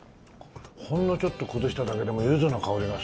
ほんのちょっと崩しただけでも柚子の香りがすごいね。